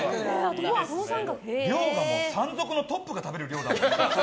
量が山賊のトップが食べる量だもん。